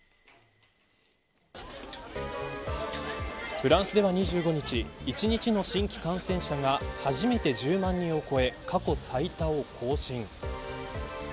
フランスでは２５日１日の新規感染者が初めて１０万人を超え過去最多を更新。